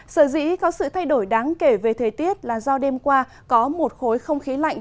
sở dĩ có sự thay đổi đáng kể về thời tiết là do đêm qua có một khối không khí lạnh